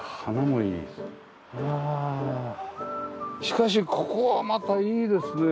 しかしここはまたいいですね。